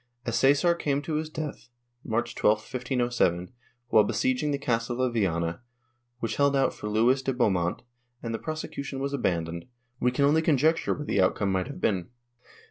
As Csesar came to his death, March 12, 1507, while besieging the castle of Viana, which held out for Luis de Beaumont, and the prosecution was abandoned, w^e can only conjecture what the outcome might have been.